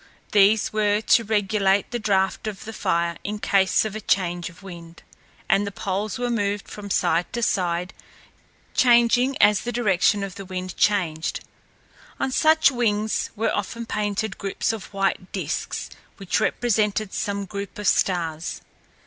These were to regulate the draught of the fire in case of a change of wind, and the poles were moved from side to side, changing as the direction of the wind changed. On such wings were often painted groups of white disks which represented some group of stars.